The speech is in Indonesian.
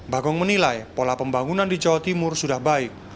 bagong menilai pola pembangunan di jawa timur sudah baik